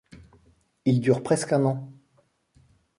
Il dure presque un an.